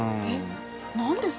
何ですか？